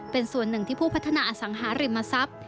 เป็นส่วนหนึ่งที่ผู้พัฒนาอสังหาริมทรัพย์